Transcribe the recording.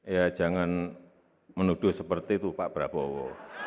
ya jangan menuduh seperti itu pak prabowo